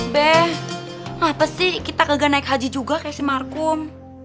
be kenapa sih kita gak naik haji juga kayak si markum